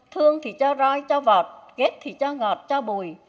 thương thì cho roi cho vọt ghép thì cho ngọt cho bùi